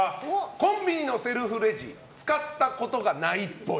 コンビニのセルフレジ使ったことがないっぽい。